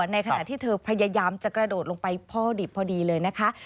ในขณะที่เธอพยายามจะกระโดดลงไปพ่อดิบพอดีเลยนะคะ